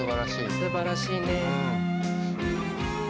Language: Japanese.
すばらしいね。